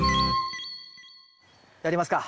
やりますか。